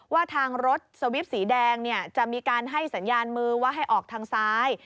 ว่าทางรถสวิปสีแดงจะมีการให้สัญญาณมือว่าให้ออกทางซ้าย